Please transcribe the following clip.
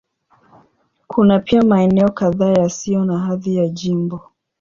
Kuna pia maeneo kadhaa yasiyo na hadhi ya jimbo.